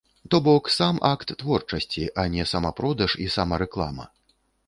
То бок, сам акт творчасці, а не самапродаж і самарэклама.